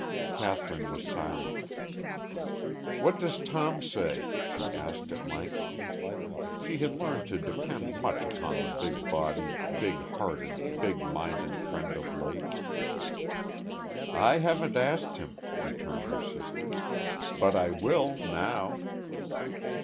Kathryn was silent. "What does Tom say?" she asked, at length. She had learned to depend much upon the big bodied, big hearted, big minded friend of late. "I haven't asked him," returned her sister. "But I will, now."